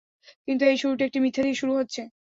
কিন্তু এই শুরুটি, একটি মিথ্যা দিয়ে শুরু হচ্ছে।